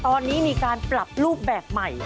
ตอนนี้มีการปรับรูปแบบใหม่